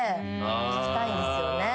聞きたいんですよね。